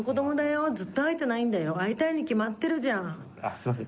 すみません